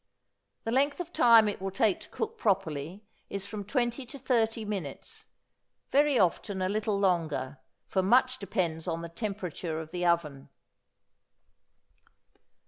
The length of time it will take to cook properly is from twenty to thirty minutes, very often a little longer, for much depends on the temperature of the oven.